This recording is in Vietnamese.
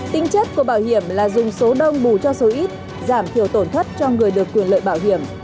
tính chất của bảo hiểm là dùng số đông bù cho số ít giảm thiểu tổn thất cho người được quyền lợi bảo hiểm